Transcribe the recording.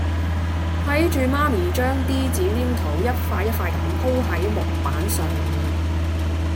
睇住媽咪將啲紙黏土一塊一塊咁舖喺木板上面